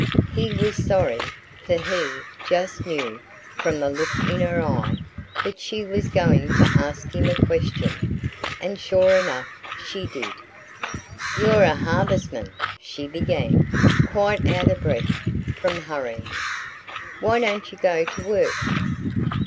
He was sorry; for he just knew from the look in her eye that she was going to ask him a question. And sure enough, she did! "You're a harvestman," she began, quite out of breath from hurrying. "Why don't you go to work?"